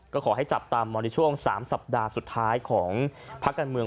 ก็ขอให้จับตามองในช่วง๓สัปดาห์สุดท้ายของพักการเมือง